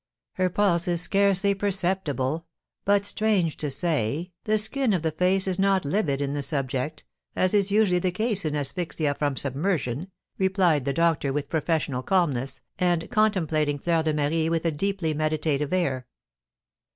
"Her pulse is scarcely perceptible; but, strange to say, the skin of the face is not livid in the subject, as is usually the case in asphyxia from submersion," replied the doctor, with professional calmness, and contemplating Fleur de Marie with a deeply meditative air.